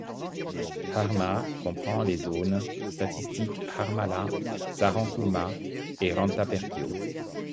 Härmä comprend les zones statistiques: Härmälä, Sarankulma et Rantaperkiö.